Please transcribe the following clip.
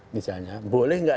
misalnya boleh gak